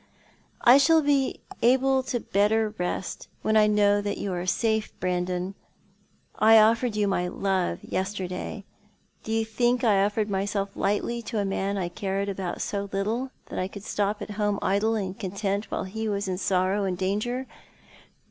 " I shall be better able to rest when I know you are safe, Brandon. I offered you my love yesterday. Do you think I offLTcd myself lightly to a man I cared about so little that I could stop at home idle and content while he was in sorrow and danger